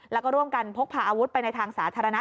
แล้วก็ร่วมกันพกพาอาวุธไปในทางสาธารณะ